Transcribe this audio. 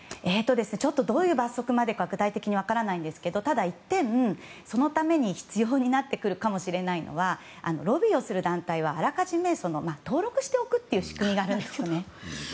どういう罰則までか具体的に分からないんですがただ、一点そのために必要になってくるかもしれないのはロビーをする団体はあらかじめ登録しておくという仕組みがあるんです。